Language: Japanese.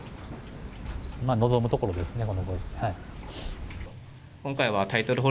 まあ、望むところですね。